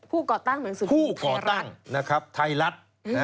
ผู้ก่อตั้งเหมือนสิทธิ์ไทยรัฐนะครับไทยรัฐ